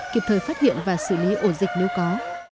kịp thời phát hiện và xử lý ổ dịch nếu có